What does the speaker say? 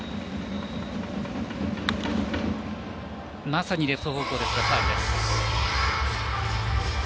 まさにレフト方向ファウルです。